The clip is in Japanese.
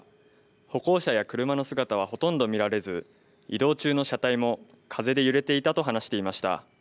歩行者や車の姿はほとんど見られず、移動中の車体も風で揺れていたと話していました。